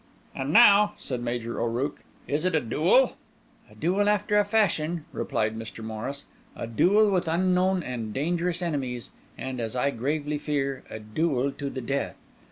"And now," said Major O'Rooke, "is it a duel?" "A duel after a fashion," replied Mr. Morris, "a duel with unknown and dangerous enemies, and, as I gravely fear, a duel to the death.